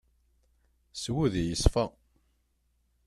S wudi yeṣfa.